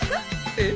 えっ？